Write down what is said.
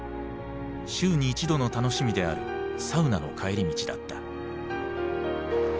週に一度の楽しみであるサウナの帰り道だった。